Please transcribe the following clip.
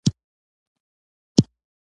د دغه شخص په داخلېدو هغه مېړه او ښځه.